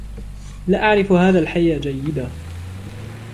لا أعرف هذا الحي جيدا.